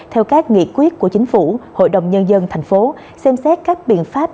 theo các nghị quyết của chính phủ hội đồng nhân dân tp hcm xem xét các biện pháp